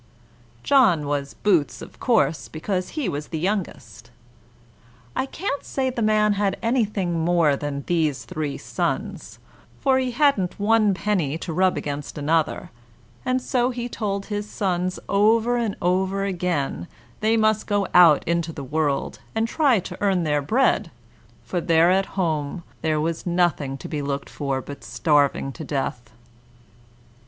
John was Boots, of course, because he was the youngest. I can't say the man had anything more than these three sons, for he had n't one penny to rub against another; and so he told his sons over and over again they must go out into the world and try to earn their bread, for there at home there was nothing to be looked for but starving to death.